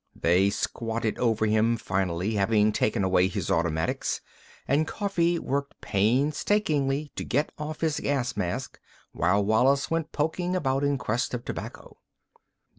They squatted over him, finally, having taken away his automatics, and Coffee worked painstakingly to get off his gas mask while Wallis went poking about in quest of tobacco.